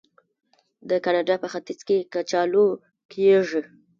د کاناډا په ختیځ کې کچالو کیږي.